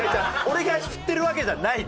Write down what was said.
俺が振ってるわけじゃない！